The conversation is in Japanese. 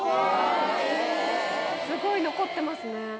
すごい残ってますね。